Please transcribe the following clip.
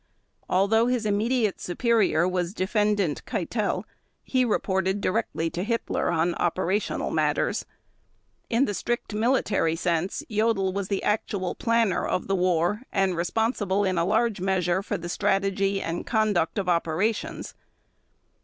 Although his immediate superior was Defendant Keitel, he reported directly to Hitler on operational matters. In the strict military sense, Jodl was the actual planner of the war and responsible in large measure for the strategy and conduct of operations.